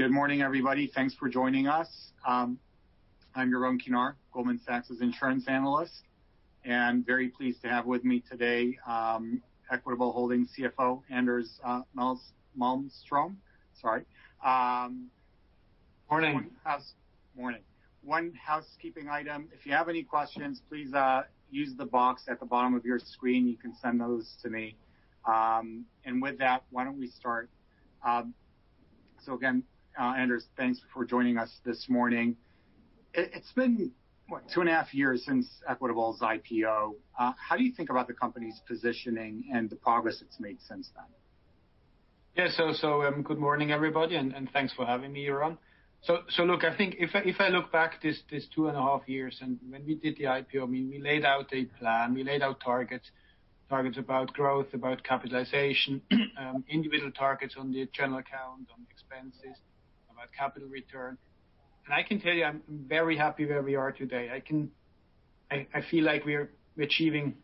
Good morning, everybody. Thanks for joining us. I'm Yaron Kinar, Goldman Sachs' insurance analyst, and very pleased to have with me today Equitable Holdings CFO, Anders Malmström. Sorry. Morning. Morning. One housekeeping item. If you have any questions, please use the box at the bottom of your screen. You can send those to me. With that, why don't we start? Again, Anders, thanks for joining us this morning. It's been, what, two and a half years since Equitable's IPO. How do you think about the company's positioning and the progress it's made since then? Yeah. Good morning, everybody, and thanks for having me, Yaron. Look, I think if I look back these two and a half years and when we did the IPO, we laid out a plan, we laid out targets. Targets about growth, about capitalization, individual targets on the general account, on expenses, about capital return. I can tell you, I'm very happy where we are today. I feel like we're achieving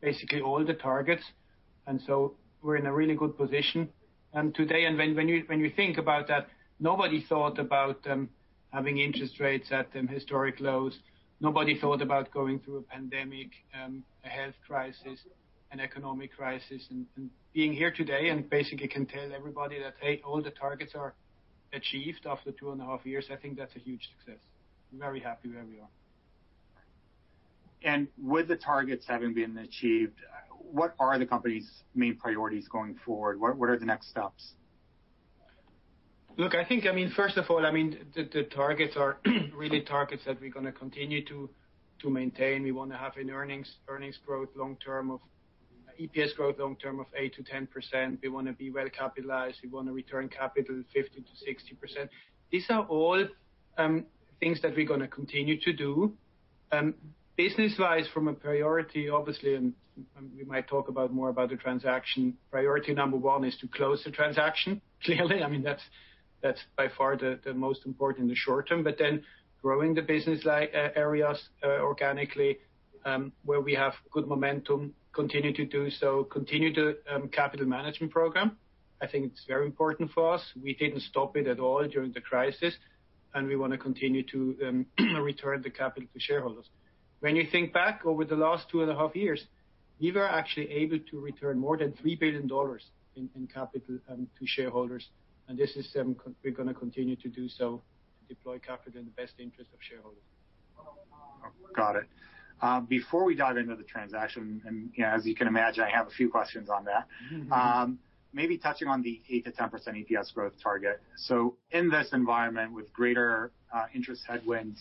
basically all the targets, we're in a really good position. Today, when you think about that, nobody thought about having interest rates at historic lows. Nobody thought about going through a pandemic, a health crisis, an economic crisis. Being here today and basically can tell everybody that, "Hey, all the targets are achieved after two and a half years," I think that's a huge success. Very happy where we are. With the targets having been achieved, what are the company's main priorities going forward? What are the next steps? Look, I think, first of all, the targets are really targets that we're going to continue to maintain. We want to have an EPS growth long term of 8%-10%. We want to be well-capitalized. We want to return capital 50%-60%. These are all things that we're going to continue to do. Business-wise, from a priority, obviously, and we might talk more about the transaction, priority number 1 is to close the transaction, clearly. That's by far the most important in the short term. Growing the business areas organically, where we have good momentum, continue to do so, continue the capital management program. I think it's very important for us. We didn't stop it at all during the crisis, and we want to continue to return the capital to shareholders. When you think back over the last two and a half years, we were actually able to return more than $3 billion in capital to shareholders, and we're going to continue to do so to deploy capital in the best interest of shareholders. Got it. Before we dive into the transaction, as you can imagine, I have a few questions on that. Maybe touching on the 8%-10% EPS growth target. In this environment with greater interest headwinds,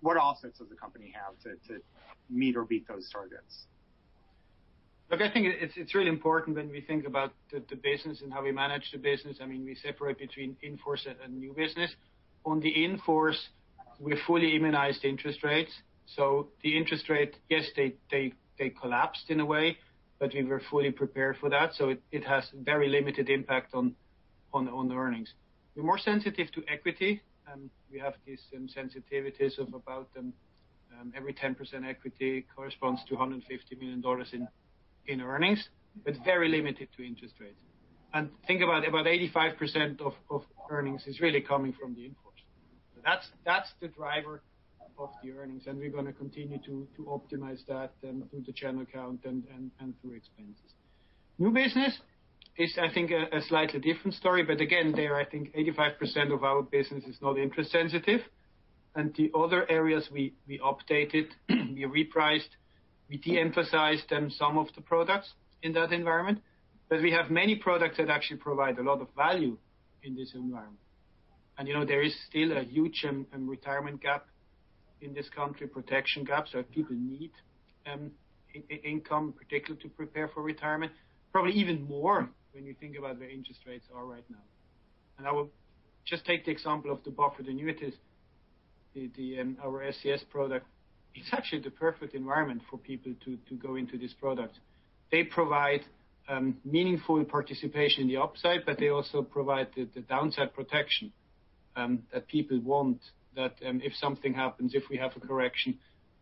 what offsets does the company have to meet or beat those targets? Look, I think it's really important when we think about the business and how we manage the business. We separate between in-force and new business. On the in-force, we fully immunized interest rates. The interest rates, yes, they collapsed in a way, but we were fully prepared for that, so it has very limited impact on the earnings. We're more sensitive to equity, and we have these sensitivities of about every 10% equity corresponds to $150 million in earnings, but very limited to interest rates. Think about 85% of earnings is really coming from the in-force. That's the driver of the earnings, and we're going to continue to optimize that through the general account and through expenses. New business is, I think, a slightly different story, but again, there, I think 85% of our business is not interest sensitive. The other areas we updated, we repriced, we de-emphasized some of the products in that environment. We have many products that actually provide a lot of value in this environment. There is still a huge retirement gap in this country, protection gap. People need income, particularly to prepare for retirement. Probably even more when you think about where interest rates are right now. I will just take the example of the buffer annuities, our SCS product. It's actually the perfect environment for people to go into this product. They provide meaningful participation in the upside, but they also provide the downside protection that people want. That if something happens, if we have a correction,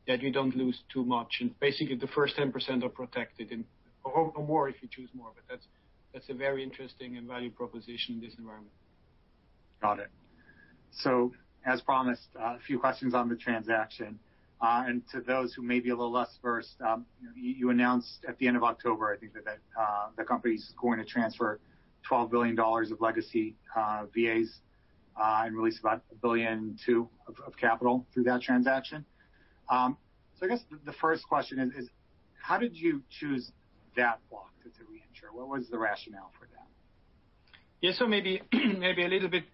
that you don't lose too much. Basically, the first 10% are protected or more if you choose more, but that's a very interesting value proposition in this environment. Got it. As promised, a few questions on the transaction. To those who may be a little less versed, you announced at the end of October, I think, that the company's going to transfer $12 billion of legacy VAs and release about $1.2 billion of capital through that transaction. I guess the first question is: how did you choose that block to re-insure? What was the rationale for that? Yeah. Maybe a little bit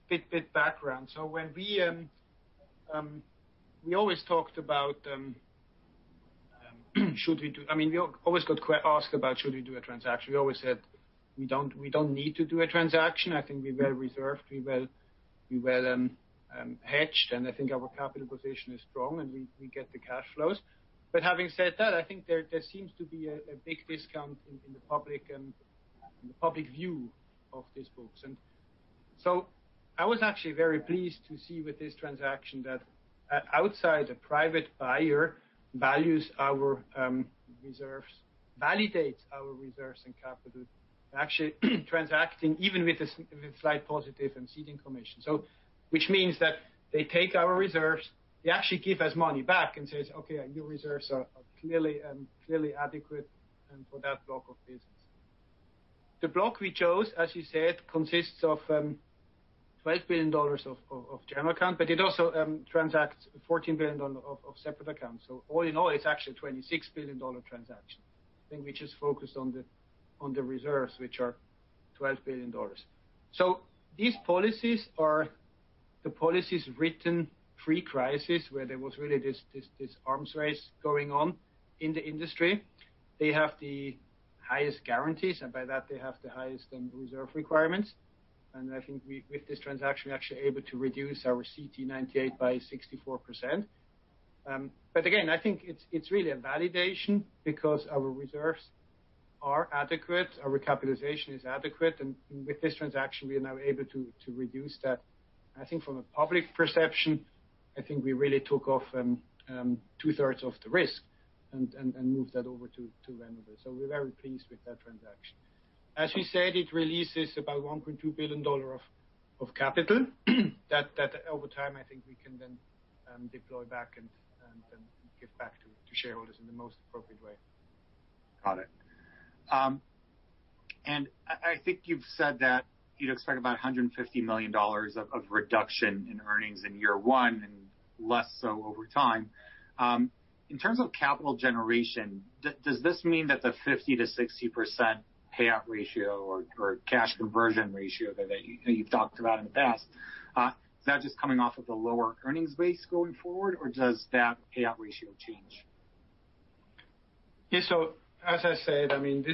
background. We always got asked about should we do a transaction. We always said, we don't need to do a transaction. I think we're well reserved, we're well hedged, and I think our capital position is strong, and we get the cash flows. Having said that, I think there seems to be a big discount in the public view of these books. I was actually very pleased to see with this transaction that outside, the private buyer values our reserves, validates our reserves and capital, actually transacting even with a slight positive and ceding commission. Which means that they take our reserves, they actually give us money back and says, "Okay, your reserves are clearly adequate and for that block of business." The block we chose, as you said, consists of $12 billion of general account, but it also transacts $14 billion of separate accounts. All in all, it's actually a $26 billion transaction. I think we just focused on the reserves, which are $12 billion. These policies are the policies written pre-crisis, where there was really this arms race going on in the industry. They have the highest guarantees, and by that, they have the highest reserve requirements. I think with this transaction, we're actually able to reduce our CTE 98 by 64%. Again, I think it's really a validation because our reserves are adequate, our capitalization is adequate, and with this transaction, we are now able to reduce that. I think from a public perception, I think we really took off two-thirds of the risk and moved that over to Venerable. We're very pleased with that transaction. As we said, it releases about $1.2 billion of capital that over time, I think we can then deploy back and then give back to shareholders in the most appropriate way. Got it. I think you've said that you'd expect about $150 million of reduction in earnings in year one and less so over time. In terms of capital generation, does this mean that the 50%-60% payout ratio or cash conversion ratio that you've talked about in the past, is that just coming off of the lower earnings base going forward? Or does that payout ratio change? Yeah. As I said, and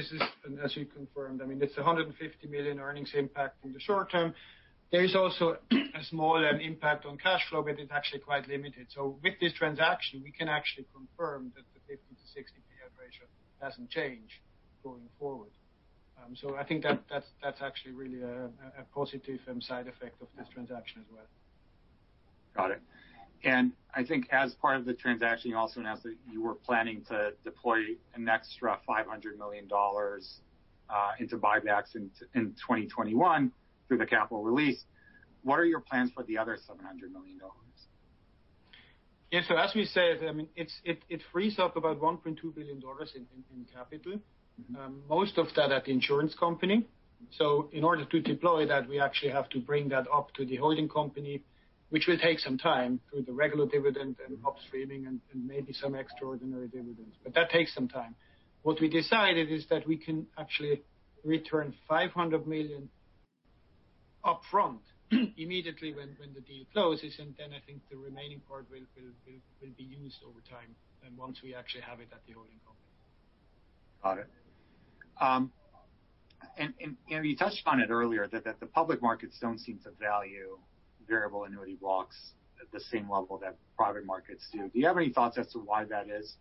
as we confirmed, it's $150 million earnings impact in the short term. There is also a small impact on cash flow, but it's actually quite limited. With this transaction, we can actually confirm that the 50%-60% payout ratio doesn't change going forward. I think that's actually really a positive side effect of this transaction as well. Got it. I think as part of the transaction, you also announced that you were planning to deploy an extra $500 million into buybacks in 2021 through the capital release. What are your plans for the other $700 million? Yeah. As we said, it frees up about $1.2 billion in capital. Most of that at the insurance company. In order to deploy that, we actually have to bring that up to the holding company, which will take some time through the regular dividend and up streaming and maybe some extraordinary dividends. That takes some time. What we decided is that we can actually return $500 million upfront immediately when the deal closes, and then I think the remaining part will be used over time and once we actually have it at the holding company. Got it. You touched on it earlier that the public markets don't seem to value variable annuity blocks at the same level that private markets do. Do you have any thoughts as to why that is?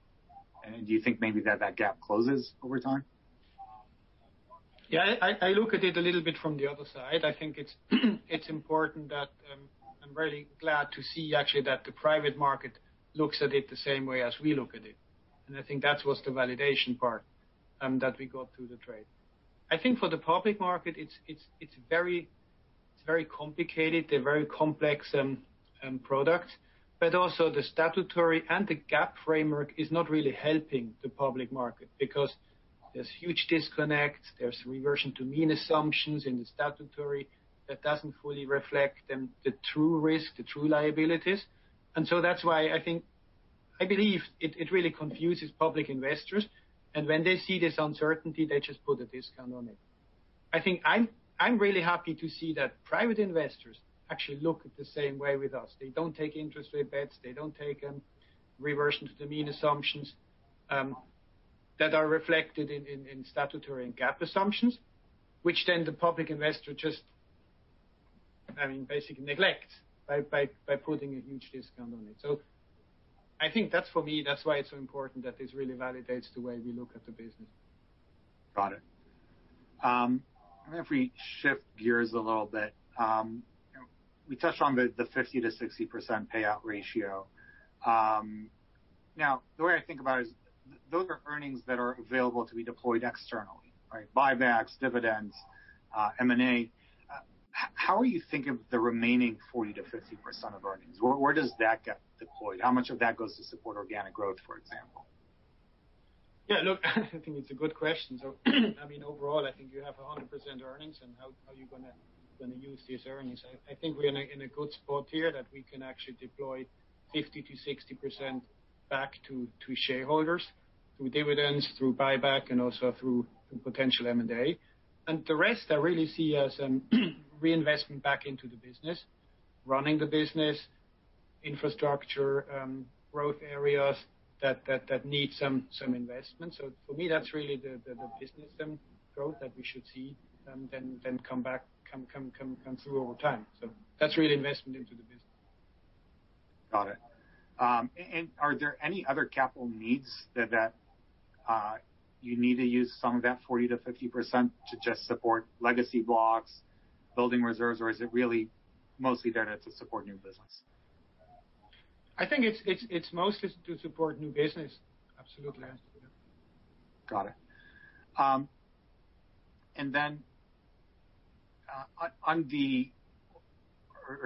Do you think maybe that that gap closes over time? Yeah, I look at it a little bit from the other side. I think it's important that I'm really glad to see actually that the private market looks at it the same way as we look at it. I think that was the validation part that we got through the trade. I think for the public market, it's very complicated. They're very complex products. Also, the statutory and the GAAP framework is not really helping the public market because there's huge disconnect. There's reversion to mean assumptions in the statutory that doesn't fully reflect the true risk, the true liabilities. So that's why I believe it really confuses public investors. When they see this uncertainty, they just put a discount on it. I think I'm really happy to see that private investors actually look at the same way with us. They don't take interest rate bets. They don't take reversion to the mean assumptions that are reflected in statutory and GAAP assumptions, which then the public investor just basically neglect by putting a huge discount on it. I think that's for me, that's why it's so important that this really validates the way we look at the business. Got it. If we shift gears a little bit. We touched on the 50%-60% payout ratio. Now, the way I think about it is those are earnings that are available to be deployed externally, right? Buybacks, dividends, M&A. How are you thinking of the remaining 40%-50% of earnings? Where does that get deployed? How much of that goes to support organic growth, for example? Yeah, look, I think it's a good question. Overall, I think you have 100% earnings and how are you going to use these earnings? I think we are in a good spot here that we can actually deploy 50%-60% back to shareholders through dividends, through buyback, and also through potential M&A. The rest, I really see as reinvestment back into the business, running the business, infrastructure, growth areas that need some investment. For me, that's really the business growth that we should see, then come back, come through over time. That's really investment into the business. Got it. Are there any other capital needs that you need to use some of that 40%-50% to just support legacy blocks, building reserves, or is it really mostly there to support new business? I think it's mostly to support new business. Absolutely. Got it.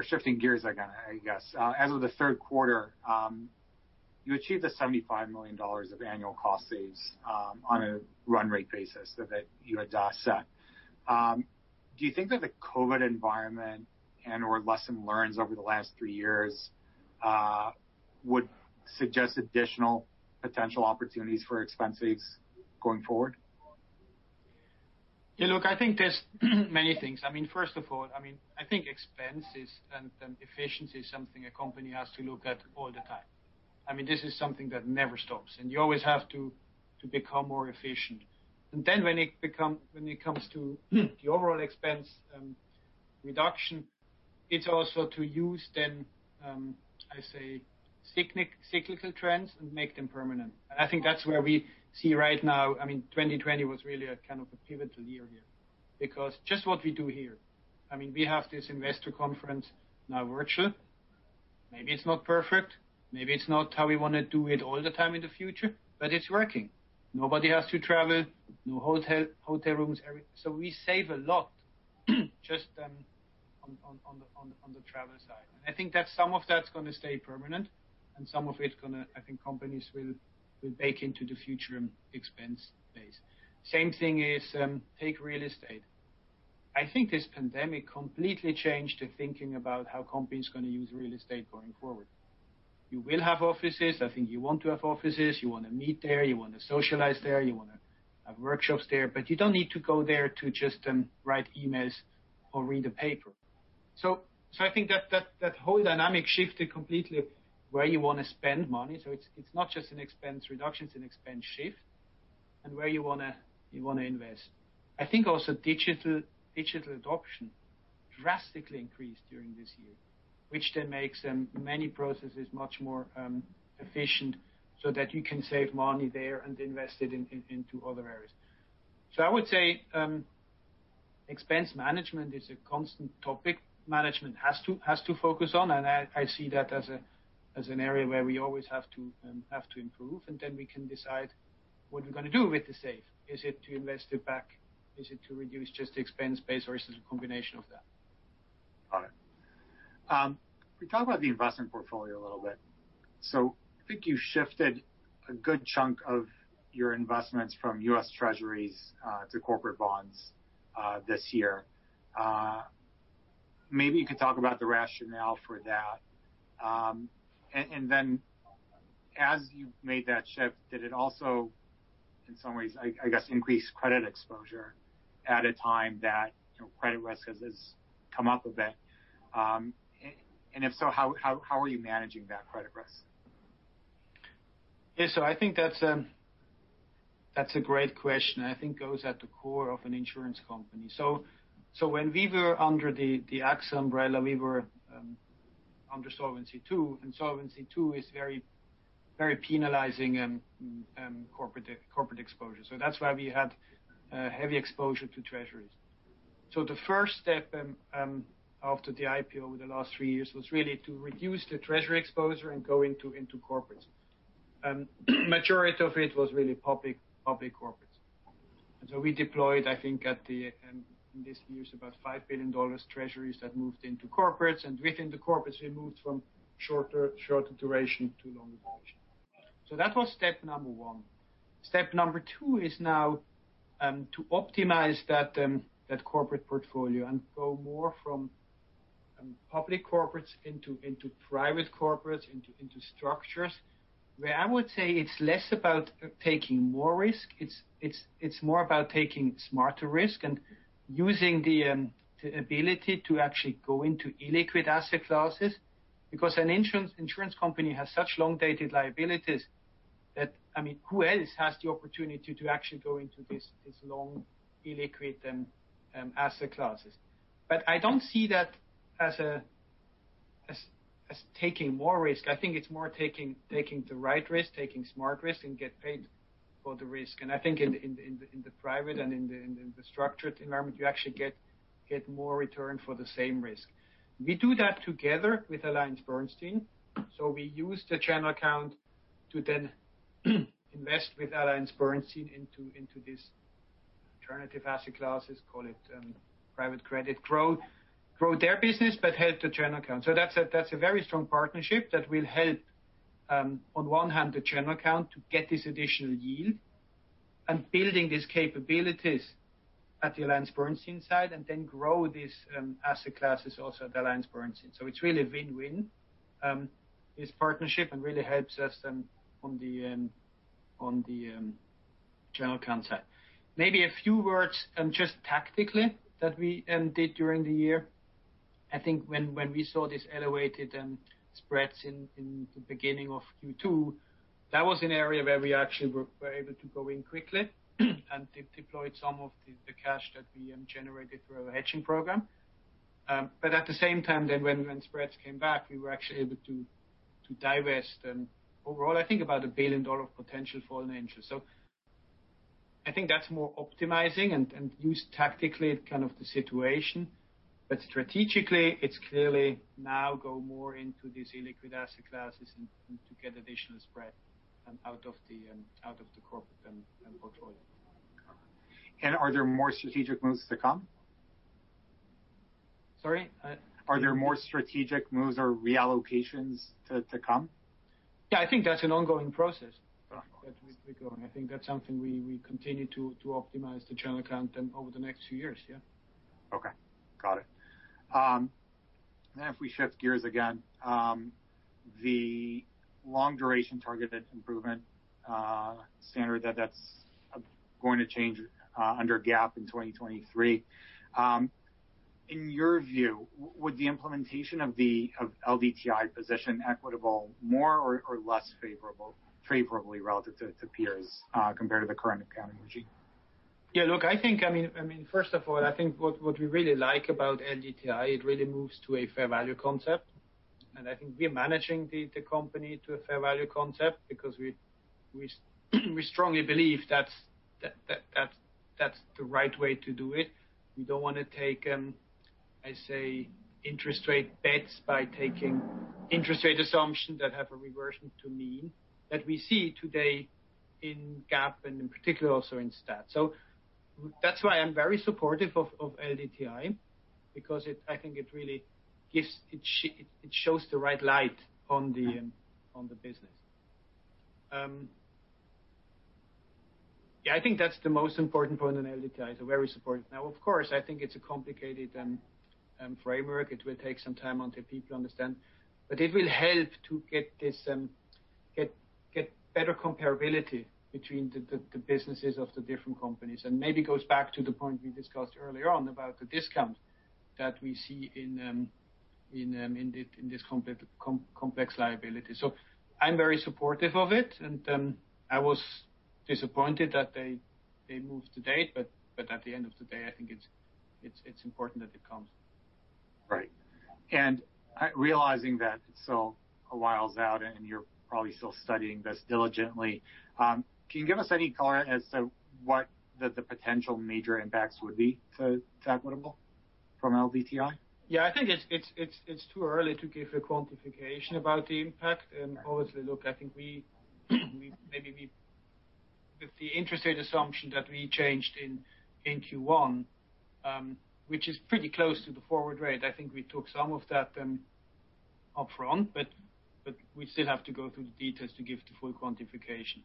Shifting gears again, I guess. As of the third quarter, you achieved the $75 million of annual cost saves on a run rate basis that you had set. Do you think that the COVID environment and/or lesson learned over the last three years would suggest additional potential opportunities for expense saves going forward? Yeah, look, I think there's many things. First of all, I think expense is, and efficiency is something a company has to look at all the time. This is something that never stops, and you always have to become more efficient. When it comes to the overall expense reduction, it's also to use then, I say, cyclical trends and make them permanent. I think that's where we see right now, 2020 was really a kind of a pivotal year here. Because just what we do here. We have this investor conference, now virtual. Maybe it's not perfect, maybe it's not how we want to do it all the time in the future, but it's working. Nobody has to travel, no hotel rooms, everything. We save a lot just on the travel side. I think that some of that's going to stay permanent, and some of it, I think companies will bake into the future expense base. Same thing is, take real estate. I think this pandemic completely changed the thinking about how companies are going to use real estate going forward. You will have offices. I think you want to have offices, you want to meet there, you want to socialize there, you want to have workshops there, but you don't need to go there to just write emails or read a paper. I think that whole dynamic shifted completely where you want to spend money. It's not just an expense reduction, it's an expense shift, and where you want to invest. I think also digital adoption drastically increased during this year, which then makes many processes much more efficient so that you can save money there and invest it into other areas. I would say, expense management is a constant topic management has to focus on, and I see that as an area where we always have to improve and then we can decide what we're going to do with the save. Is it to invest it back? Is it to reduce just the expense base, or is it a combination of that? Got it. Can we talk about the investment portfolio a little bit? I think you shifted a good chunk of your investments from U.S. Treasuries to corporate bonds this year. Maybe you could talk about the rationale for that. Then as you made that shift, did it also, in some ways, I guess, increase credit exposure at a time that credit risk has come up a bit? If so, how are you managing that credit risk? Yeah. I think that's a great question, and I think goes at the core of an insurance company. When we were under the AXA umbrella, we were under Solvency II, Solvency II is very penalizing in corporate exposure. That's why we had heavy exposure to Treasuries. The first step after the IPO over the last three years was really to reduce the Treasury exposure and go into corporates. Majority of it was really public corporates. We deployed, I think, in this news, about $5 billion Treasuries that moved into corporates. Within the corporates, we moved from shorter duration to longer duration. That was step 1. Step 2 is now to optimize that corporate portfolio and go more from public corporates into private corporates, into structures. Where I would say it's less about taking more risk. It's more about taking smarter risk and using the ability to actually go into illiquid asset classes. Because an insurance company has such long-dated liabilities that, who else has the opportunity to actually go into these long illiquid asset classes? I don't see that as taking more risk. I think it's more taking the right risk, taking smart risk, and get paid for the risk. I think in the private and in the structured environment, you actually get more return for the same risk. We do that together with AllianceBernstein. We use the general account to then invest with AllianceBernstein into these alternative asset classes, call it private credit. Grow their business, but help the general account. That's a very strong partnership that will help, on one hand, the general account to get this additional yield and building these capabilities at the AllianceBernstein side, and grow these asset classes also at AllianceBernstein. It's really a win-win, this partnership, and really helps us on the general concept. Maybe a few words, just tactically that we did during the year. I think when we saw these elevated spreads in the beginning of Q2, that was an area where we actually were able to go in quickly and deployed some of the cash that we generated through our hedging program. At the same time, when spreads came back, we were actually able to divest, and overall, I think about a $1 billion-dollar potential foreign interest. I think that's more optimizing and use tactically kind of the situation. Strategically, it's clearly now go more into these illiquid asset classes and to get additional spread, and out of the corporate and portfolio. Are there more strategic moves to come? Sorry? Are there more strategic moves or reallocations to come? Yeah, I think that's an ongoing process that we're going. I think that's something we continue to optimize the general account then over the next few years, yeah. Okay. Got it. If we shift gears again, the long duration targeted improvement standard that's going to change under GAAP in 2023. In your view, would the implementation of LDTI position Equitable more or less favorably relative to peers, compared to the current accounting regime? Yeah, look, first of all, I think what we really like about LDTI, it really moves to a fair value concept. I think we are managing the company to a fair value concept because we strongly believe that's the right way to do it. We don't want to take, I say, interest rate bets by taking interest rate assumptions that have a reversion to mean that we see today in GAAP and in particular also in STAT. That's why I'm very supportive of LDTI because I think it really shows the right light on the business. Yeah, I think that's the most important point in LDTI, so very supportive. Now, of course, I think it's a complicated framework. It will take some time until people understand. It will help to get better comparability between the businesses of the different companies, and maybe goes back to the point we discussed earlier on about the discount that we see in this complex liability. I'm very supportive of it, and I was disappointed that they moved the date. At the end of the day, I think it's important that it comes. Right. Realizing that it's still a whiles out and you're probably still studying this diligently, can you give us any color as to what the potential major impacts would be to Equitable from LDTI? I think it's too early to give a quantification about the impact. Obviously, look, I think maybe with the interest rate assumption that we changed in Q1, which is pretty close to the forward rate, I think we took some of that upfront, but we still have to go through the details to give the full quantification.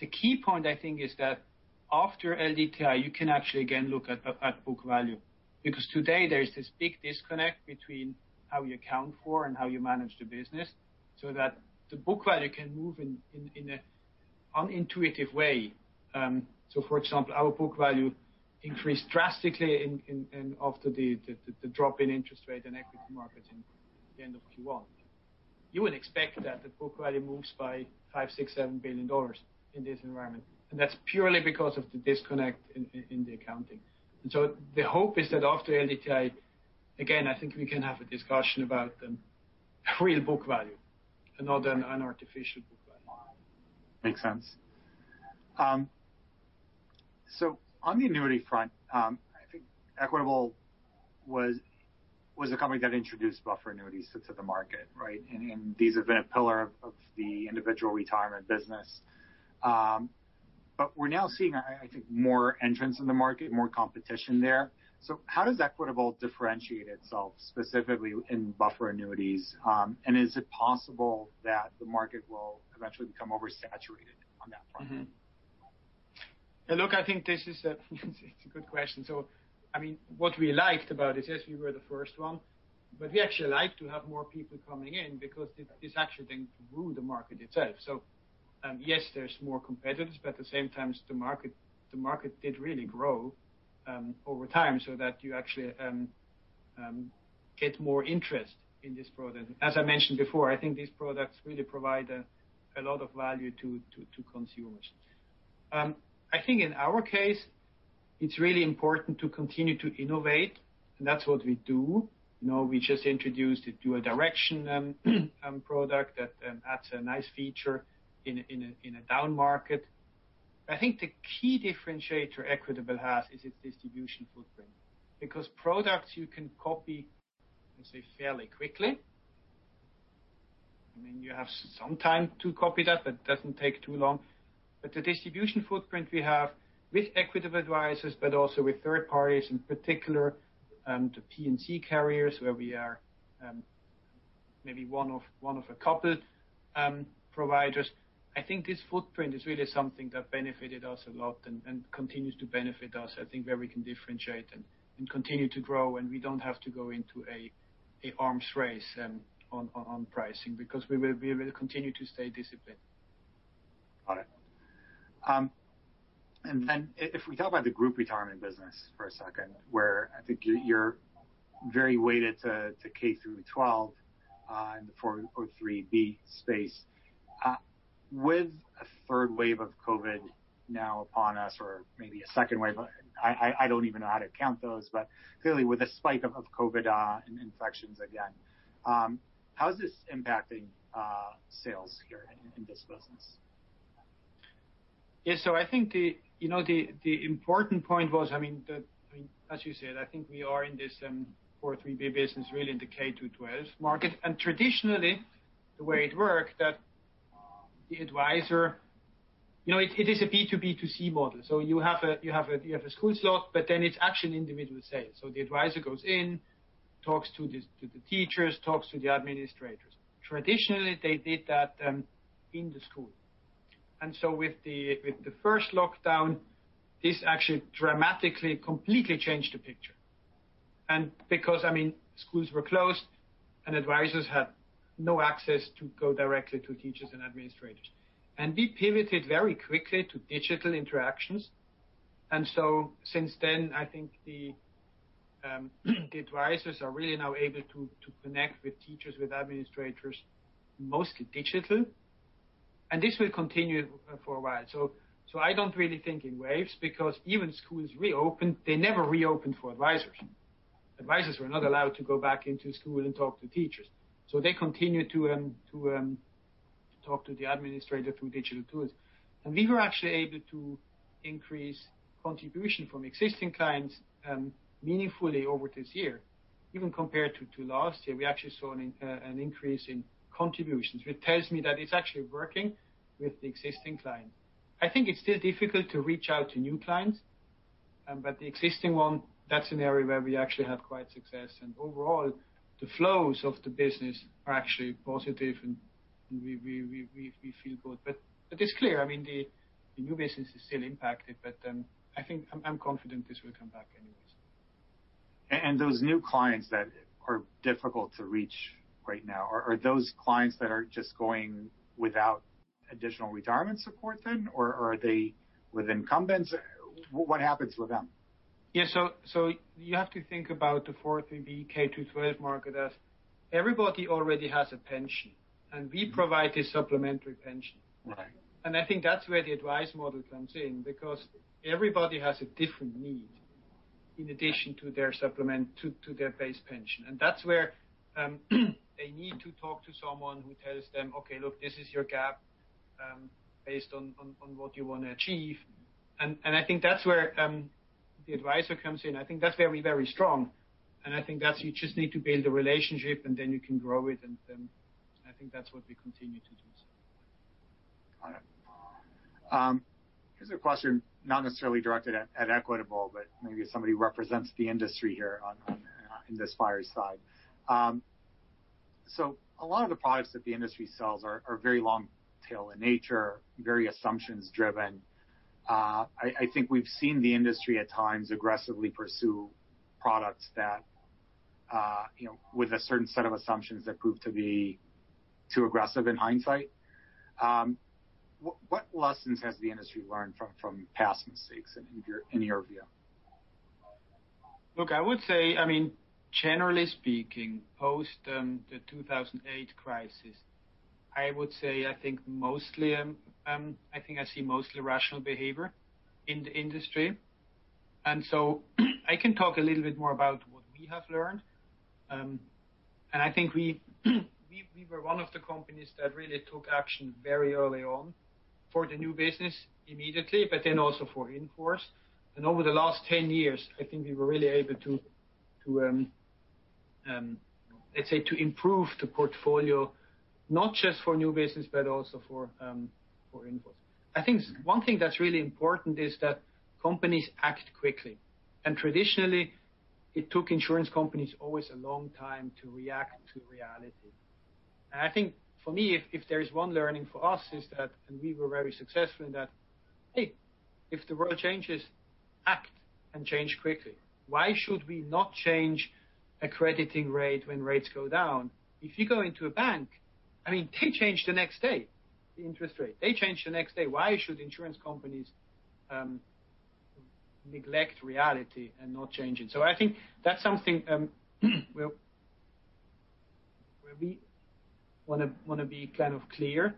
The key point, I think, is that after LDTI, you can actually again look at book value. Today there is this big disconnect between how you account for and how you manage the business, so that the book value can move in an unintuitive way. For example, our book value increased drastically after the drop in interest rate and equity markets at the end of Q1. You would expect that the book value moves by $5 billion-$7 billion in this environment. That's purely because of the disconnect in the accounting. The hope is that after LDTI, again, I think we can have a discussion about the real book value and not an artificial book value. Makes sense. On the annuity front, I think Equitable was a company that introduced buffer annuities to the market, right? These have been a pillar of the individual retirement business. We're now seeing, I think, more entrants in the market, more competition there. How does Equitable differentiate itself specifically in buffer annuities? Is it possible that the market will eventually become oversaturated on that front? Look, I think this is a good question. What we liked about it is we were the first one, but we actually like to have more people coming in because it's actually going to grow the market itself. Yes, there's more competitors, but at the same time, the market did really grow over time so that you actually get more interest in this product. As I mentioned before, I think these products really provide a lot of value to consumers. I think in our case, it's really important to continue to innovate, and that's what we do. We just introduced a Dual Direction product that adds a nice feature in a down market. I think the key differentiator Equitable has is its distribution footprint. Because products you can copy, let's say, fairly quickly. You have some time to copy that, but it doesn't take too long. The distribution footprint we have with Equitable Advisors, but also with third parties, in particular, the P&C carriers, where we are maybe one of a couple providers. I think this footprint is really something that benefited us a lot and continues to benefit us, I think, where we can differentiate and continue to grow, and we don't have to go into an arms race on pricing because we will continue to stay disciplined. Got it. If we talk about the group retirement business for a second, where I think you're very weighted to K through 12, in the 403(b) space. With a third wave of COVID now upon us, or maybe a second wave, I don't even know how to count those, but clearly with a spike of COVID and infections again, how is this impacting sales here in this business? Yeah. I think the important point was, as you said, I think we are in this 403 business really in the K through 12 market. Traditionally the way it worked that the advisor. It is a B2B2C model. You have a school slot, but then it's actually an individual sale. The advisor goes in, talks to the teachers, talks to the administrators. Traditionally, they did that in the school. With the first lockdown, this actually dramatically, completely changed the picture. Because schools were closed and advisors had no access to go directly to teachers and administrators. We pivoted very quickly to digital interactions. Since then, I think the advisors are really now able to connect with teachers, with administrators, mostly digital. This will continue for a while. I don't really think in waves, because even schools reopened, they never reopened for advisors. Advisors were not allowed to go back into school and talk to teachers. They continued to talk to the administrator through digital tools. We were actually able to increase contribution from existing clients meaningfully over this year, even compared to last year. We actually saw an increase in contributions, which tells me that it's actually working with the existing clients. I think it's still difficult to reach out to new clients, but the existing one, that's an area where we actually have quite success. Overall, the flows of the business are actually positive, and we feel good. It is clear, the new business is still impacted, but I think I'm confident this will come back anyways. Those new clients that are difficult to reach right now, are those clients that are just going without additional retirement support then? Or are they with incumbents? What happens with them? Yeah. You have to think about the 403(b) through 12 market as everybody already has a pension, and we provide this supplementary pension. Right. I think that's where the advice model comes in, because everybody has a different need in addition to their base pension. That's where they need to talk to someone who tells them, "Okay, look, this is your gap, based on what you want to achieve." I think that's where the advisor comes in. I think that's very, very strong. I think that you just need to build a relationship and then you can grow it. I think that's what we continue to do. All right. Here's a question not necessarily directed at Equitable, but maybe somebody who represents the industry here on the fireside. A lot of the products that the industry sells are very long-tail in nature, very assumptions-driven. I think we've seen the industry at times aggressively pursue products with a certain set of assumptions that prove to be too aggressive in hindsight. What lessons has the industry learned from past mistakes in your view? Look, I would say, generally speaking, post the 2008 crisis, I would say, I think I see mostly rational behavior in the industry. I can talk a little bit more about what we have learned. I think we were one of the companies that really took action very early on for the new business immediately, but then also for in-force. Over the last 10 years, I think we were really able to, let's say, to improve the portfolio, not just for new business, but also for in-force. I think one thing that's really important is that companies act quickly. Traditionally, it took insurance companies always a long time to react to reality. I think for me, if there is one learning for us is that, and we were very successful in that, hey, if the world changes, act and change quickly. Why should we not change a crediting rate when rates go down? If you go into a bank, they change the next day, the interest rate. They change the next day. Why should insurance companies neglect reality and not change it? I think that's something where we want to be kind of clear.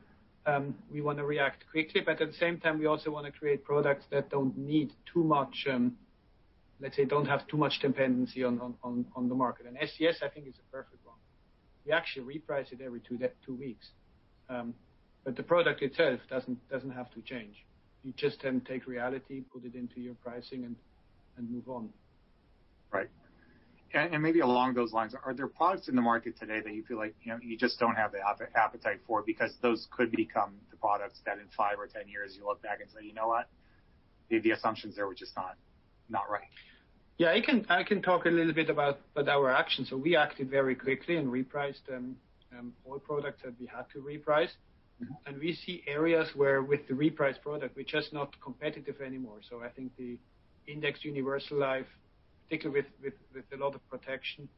We want to react quickly, but at the same time, we also want to create products that don't need too much, let's say, don't have too much dependency on the market. SCS, I think is a perfect one. We actually reprice it every two weeks. The product itself doesn't have to change. You just take reality, put it into your pricing, and move on. Right. Maybe along those lines, are there products in the market today that you feel like you just don't have the appetite for because those could become the products that in five or 10 years you look back and say, "You know what? Maybe the assumptions there were just not right. Yeah, I can talk a little bit about our actions. We acted very quickly and repriced all products that we had to reprice. We see areas where with the repriced product, we're just not competitive anymore. I think the indexed universal life, particularly with a lot of protection,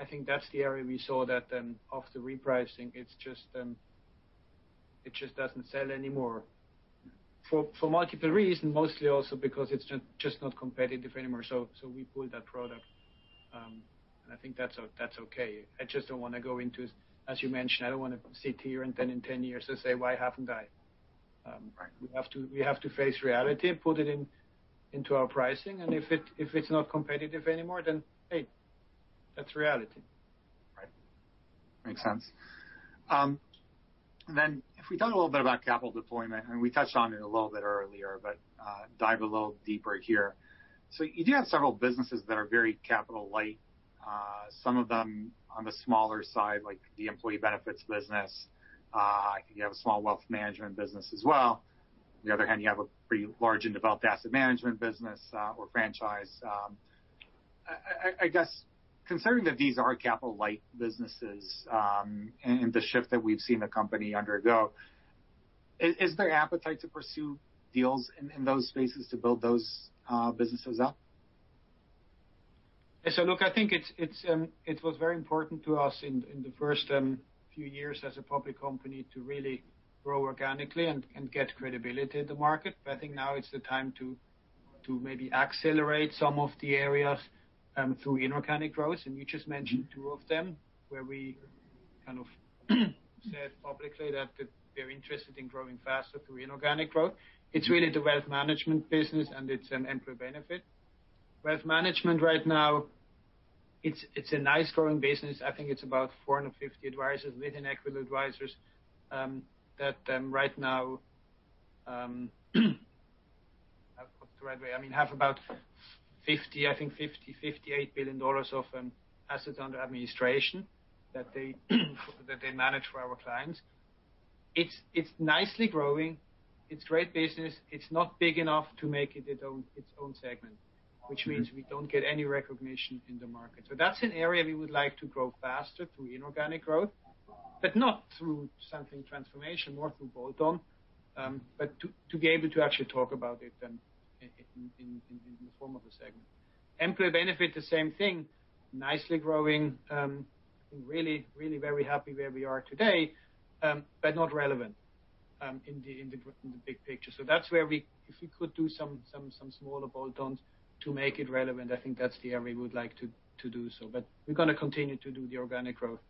I think that's the area we saw that after repricing, it just doesn't sell anymore. For multiple reasons, mostly also because it's just not competitive anymore. We pulled that product, I think that's okay. I just don't want to go into, as you mentioned, I don't want to sit here and then in 10 years say, "Why haven't I? Right. We have to face reality, put it into our pricing, if it's not competitive anymore, hey, that's reality. Right. Makes sense. If we talk a little bit about capital deployment, we touched on it a little bit earlier, dive a little deeper here. You do have several businesses that are very capital light. Some of them on the smaller side, like the employee benefits business. You have a small wealth management business as well. On the other hand, you have a pretty large and developed asset management business or franchise. I guess considering that these are capital light businesses, the shift that we've seen the company undergo, is there appetite to pursue deals in those spaces to build those businesses up? Look, I think it was very important to us in the first few years as a public company to really grow organically and get credibility in the market. I think now it's the time to maybe accelerate some of the areas through inorganic growth. You just mentioned two of them, where we kind of said publicly that we're interested in growing faster through inorganic growth. It's really the wealth management business and it's in employee benefit. Wealth management right now, it's a nice growing business. I think it's about 450 advisors within Equitable Advisors that right now, put it the right way, have about $50, I think $58 billion of assets under administration that they manage for our clients. It's nicely growing. It's great business. It's not big enough to make it its own segment, which means we don't get any recognition in the market. That's an area we would like to grow faster through inorganic growth, but not through something transformation, more through bolt-on. To be able to actually talk about it in the form of a segment. Employee benefit, the same thing. Nicely growing. Really very happy where we are today. Not relevant in the big picture. That's where if we could do some smaller bolt-ons to make it relevant, I think that's the area we would like to do so. We're going to continue to do the organic growth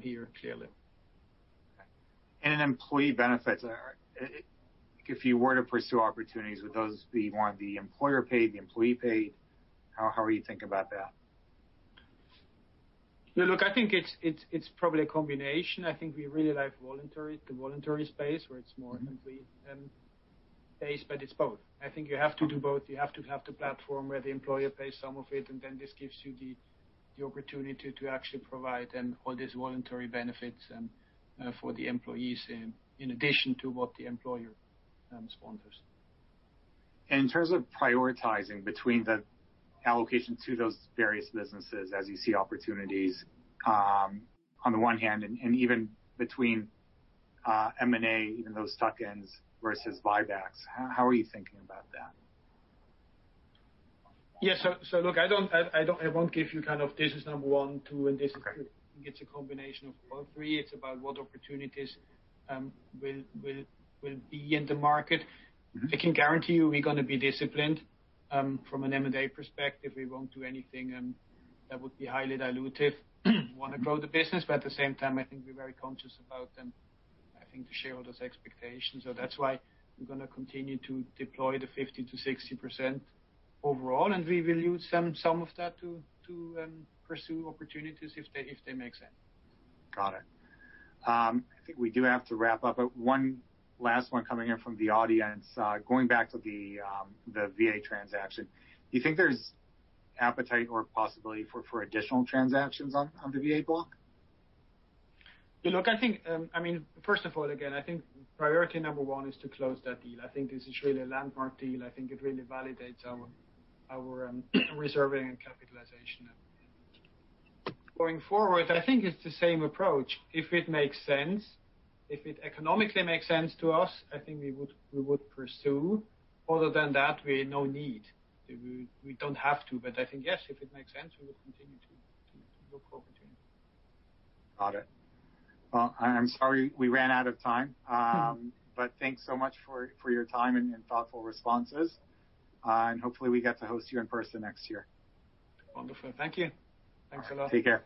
here, clearly. Okay. In employee benefits, if you were to pursue opportunities, would those be more the employer-paid, the employee-paid? How are you thinking about that? Look, I think it's probably a combination. I think we really like the voluntary space where it's more employee-paid, but it's both. I think you have to do both. You have to have the platform where the employer pays some of it, and then this gives you the opportunity to actually provide all these voluntary benefits for the employees in addition to what the employer sponsors. In terms of prioritizing between the allocation to those various businesses as you see opportunities, on the one hand, and even between M&A, even those tuck-ins versus buybacks, how are you thinking about that? Yeah. Look, I won't give you kind of, this is number 1, 2, and this is 3. Okay. It's a combination of all three. It's about what opportunities will be in the market. I can guarantee you we're going to be disciplined from an M&A perspective. We won't do anything that would be highly dilutive. We want to grow the business, but at the same time, I think we're very conscious about them, I think the shareholders' expectations. That's why we're going to continue to deploy the 50%-60% overall, and we will use some of that to pursue opportunities if they make sense. Got it. I think we do have to wrap up. One last one coming in from the audience. Going back to the VA transaction, do you think there's appetite or possibility for additional transactions on the VA block? Look, I think, first of all, again, I think priority number 1 is to close that deal. I think this is really a landmark deal. I think it really validates our reserving and capitalization. Going forward, I think it's the same approach. If it makes sense, if it economically makes sense to us, I think we would pursue. Other than that, we no need. We don't have to. I think, yes, if it makes sense, we would continue to look for opportunities. Got it. Well, I'm sorry we ran out of time. Thanks so much for your time and thoughtful responses. Hopefully, we get to host you in person next year. Wonderful. Thank you. Thanks a lot. Take care.